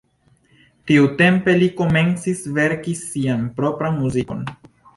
Tiutempe li komencis verki sian propran muzikon.